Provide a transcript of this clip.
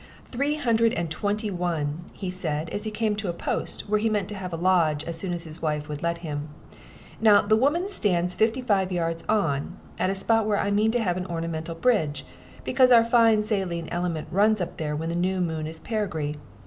"Three hundred and twenty one," he said, as he came to a post, where he meant to have a lodge as soon as his wife would let him; "now the old woman stands fifty five yards on, at a spot where I mean to have an ornamental bridge, because our fine saline element runs up there when the new moon is perigee.